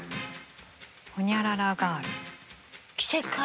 ほにゃららガール。